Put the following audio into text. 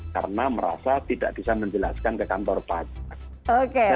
karena merasa tidak bisa menjelaskan ke kantor pajak